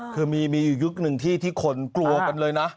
คือมียุคหนึ่งที่คนกลัวกันเลยนะ